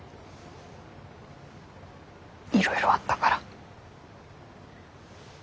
いろいろあったから。